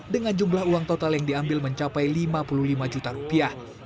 dengan jumlah uang total yang diambil mencapai lima puluh lima juta rupiah